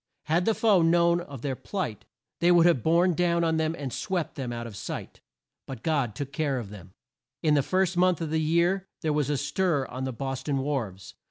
Had the foe known of their plight, they would have borne down on them and swept them out of sight. But God took care of them. In the first month of the year there was a stir on the Bos ton wharves.